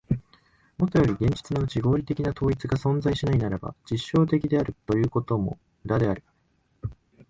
もとより現実のうちに合理的な統一が存しないならば、実証的であるということも無駄である。